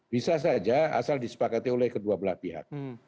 bisa saja asal disepakati oleh kedua belah pihak